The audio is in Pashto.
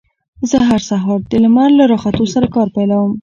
زه هر سهار د لمر له راختو سره کار پيلوم.